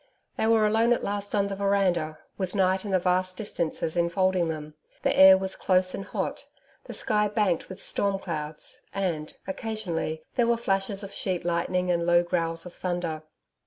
They were alone at last on the veranda, with night and the vast distances enfolding them. The air was close and hot, the sky banked with storm clouds, and, occasionally, there were flashes of sheet lightning and low growls of thunder.